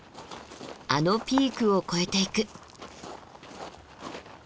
あのピークを越えていく。